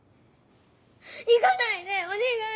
行かないでお願い！